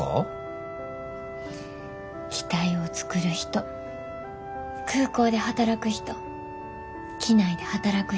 機体を作る人空港で働く人機内で働く人。